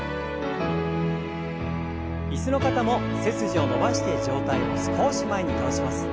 椅子の方も背筋を伸ばして上体を少し前に倒します。